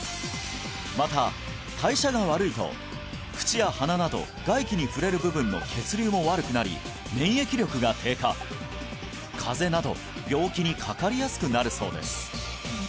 また代謝が悪いと口や鼻など外気に触れる部分の血流も悪くなり免疫力が低下風邪など病気にかかりやすくなるそうです